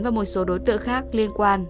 và một số đối tượng khác liên quan